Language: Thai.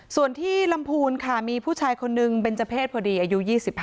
ส่วนที่ลำพูนค่ะมีผู้ชายคนนึงเบนเจอร์เพศพอดีอายุ๒๕